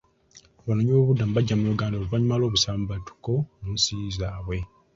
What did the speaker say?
Abanoonyiboobubudamu bajja mu Uganda oluvannyuma lw'obusambattuko mu nsi zaabwe.